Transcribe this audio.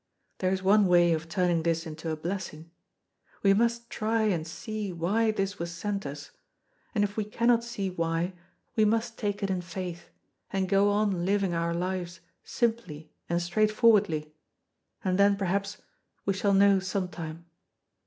There is one way of turning this into a blessing. We must try and see why this was sent us, and if we cannot see why, we must take it in faith, and go on living our lives simply and straightforwardly, and then, perhaps, we shall know sometime.